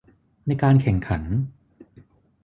ในการแข่งขัน